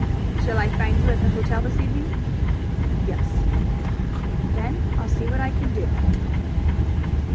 "Shall I find you at the hotel this evening?" "Yes." "Then I'll see what I can do."